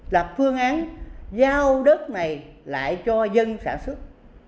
lập phương án giao đất này lại cho dân sản xuất